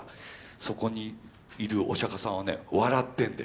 そこにいるお釈迦さんはね笑ってんだよ。